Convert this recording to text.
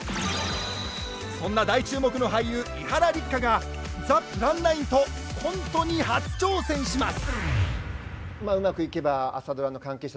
そんな大注目の俳優伊原六花がザ・プラン９とコントに初挑戦します！